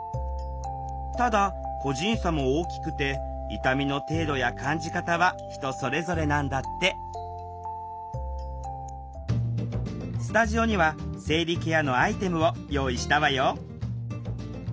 ただ個人差も大きくて痛みの程度や感じ方は人それぞれなんだってスタジオには生理ケアのアイテムを用意したわよ。